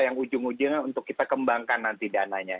yang ujung ujungnya untuk kita kembangkan nanti dananya